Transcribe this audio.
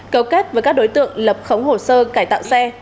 cầu kết với các đối tượng lập khống hồ sơ cải tạo xe